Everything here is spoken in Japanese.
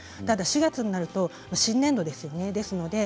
ただ４月になると新年度です。